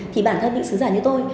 thì bản thân những sứ giả như tôi